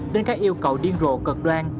đến các yêu cầu điên rộ cực đoan